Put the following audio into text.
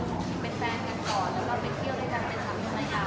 ชุดบินแฟนกันก่อนแล้วก็ไปเที่ยวด้วยกันสำหรับคนไหนล่ะ